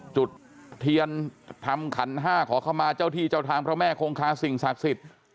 จุดเทียนทำขันห้าขอเข้ามาเจ้าที่เจ้าทางพระแม่คงคาสิ่งศักดิ์สิทธิ์